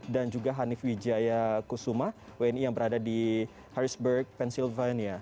juga hanif wijaya kusuma wni yang berada di harrisburg pensilvania